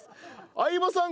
相葉さん